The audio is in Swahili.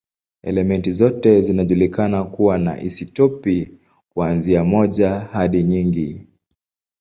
Elementi zote zinajulikana kuwa na isotopi, kuanzia moja hadi nyingi.